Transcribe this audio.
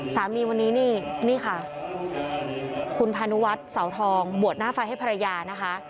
สามีวันนี้นี่นี่ค่ะคุณพานุวัฒน์เสาทองบวชหน้าไฟให้ภรรยานะคะ